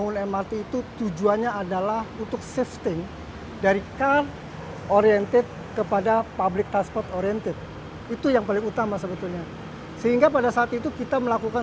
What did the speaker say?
sudah empat tahun mrt atau mass rapid transit merupakan bagian dari kehidupan jakarta lebih dari enam puluh juta persen